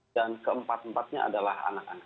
dan keempat empatnya adalah anak anak